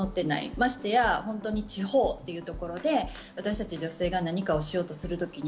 ましてや地方というところで私たち女性が何かをしようとするときに